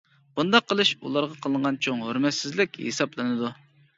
بۇنداق قىلىش ئۇلارغا قىلىنغان چوڭ ھۆرمەتسىزلىك ھېسابلىنىدۇ.